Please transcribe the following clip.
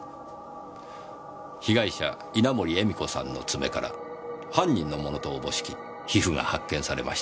被害者稲盛絵美子さんの爪から犯人のものとおぼしき皮膚が発見されました。